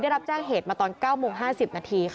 ได้รับจ้างเหตุมาตอน๙โมง๕๐นาที